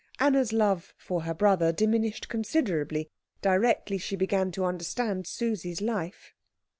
Anna's love for her brother diminished considerably directly she began to understand Susie's life.